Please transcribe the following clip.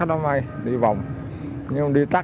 nó may đi vòng nhưng mà đi tắc